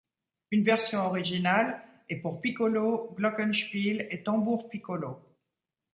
Une version originale est pour piccolo, glockenspiel et tambour piccolo.